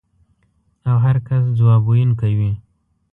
او هر کس ځواب ویونکی وي.